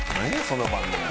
その番組。